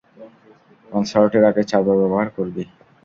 কনসার্টের আগে চারবার ব্যবহার করবি।